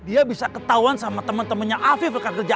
dia bisa ketahuan sama temen temennya afif rekan kerja